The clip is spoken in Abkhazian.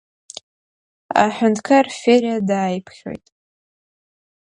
Аҳәынҭқар Фериа дааиԥхьоит.